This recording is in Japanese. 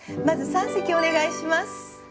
まず三席お願いします。